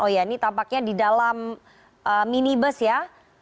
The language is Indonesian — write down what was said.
oh ya ini tampaknya di dalam minibus ya